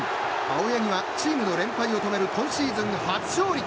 青柳はチームの連敗を止める今シーズン初勝利。